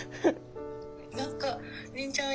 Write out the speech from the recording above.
何か凜ちゃん